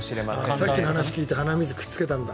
さっきの話を聞いて鼻水をくっつけたんだ。